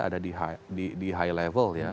ada di high level ya